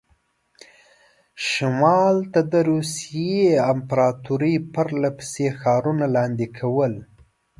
شمال ته د روسیې امپراطوري پرله پسې ښارونه لاندې کول.